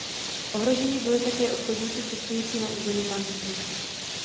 Ohroženi byli také obchodníci cestující na území panství.